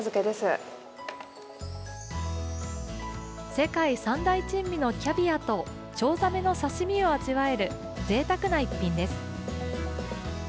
世界三大珍味のキャビアとチョウザメの刺身を味わえるぜいたくな逸品です。